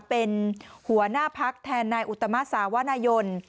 เป็นหัวหน้าพักแทนนายอุตมะสาวนายน